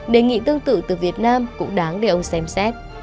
đề nghị tương tự từ việt nam cũng đáng để ông xem xét